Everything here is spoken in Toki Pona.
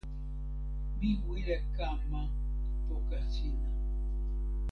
mi wile kama poka sina.